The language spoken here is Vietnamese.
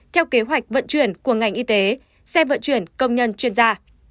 theo kế hoạch vận chuyển của ngành y tế xe vận chuyển công nhân chuyên gia